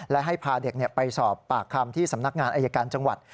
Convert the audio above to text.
และให้พาเด็กไปสอบปากคำที่สำนักงานอายการจังหวัด